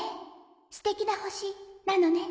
すてきな星なのね。